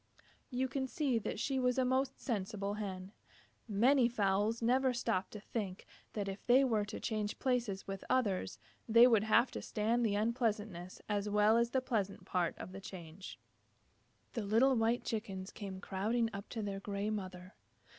You can see that she was a most sensible Hen. Many fowls never stop to think that if they were to change places with others, they would have to stand the unpleasant as well as the pleasant part of the change. The little white Chickens came crowding up to their gray mother.